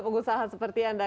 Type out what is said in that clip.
pengusaha seperti anda